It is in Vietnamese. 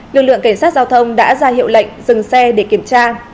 lực lượng cảnh sát giao thông đã ra hiệu lệnh dừng xe để kiểm tra